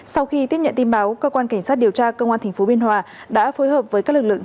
sau khi tiếp nhận tin báo cơ quan cảnh sát điều tra công an tp biên hòa đã phối hợp với các lực lượng